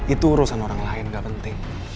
itu urusan orang lain gak penting